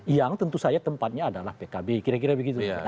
yang tentu saja tempatnya adalah pkb kira kira begitu